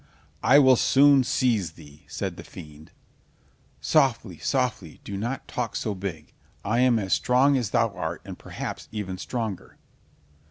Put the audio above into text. "I will soon seize thee," said the fiend. "Softly, softly, do not talk so big. I am as strong as thou art, and perhaps even stronger."